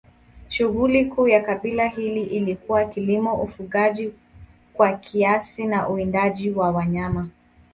Shughuli kuu ya kabila hili ilikuwa kilimo, ufugaji kwa kiasi na uwindaji wa wanyama.